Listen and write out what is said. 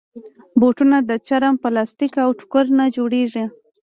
بوټونه د چرم، پلاسټیک، او ټوکر نه جوړېږي.